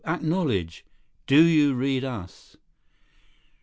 Acknowledge. Do you read us?"